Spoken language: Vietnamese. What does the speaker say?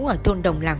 ở thôn đồng làng một